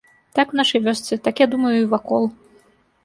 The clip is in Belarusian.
Так у нашай вёсцы, так я думаю і вакол.